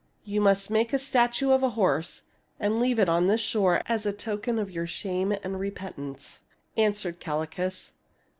"' You must make a statue of a horse and leave it on this shore as a token of your shame and repentance,' answered Calchas.